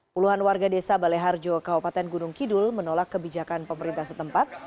puluhan warga desa baleharjo kabupaten gunung kidul menolak kebijakan pemerintah setempat